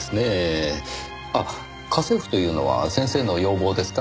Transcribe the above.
あっ家政婦というのは先生の要望ですか？